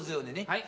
はい。